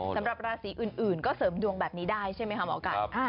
สำหรับราศีอื่นก็เสริมดวงแบบนี้ได้ใช่ไหมคะหมอไก่